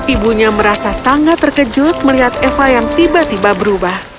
ibunya merasa sangat terkejut melihat eva yang tiba tiba berubah